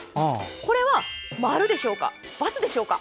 これは〇でしょうか×でしょうか？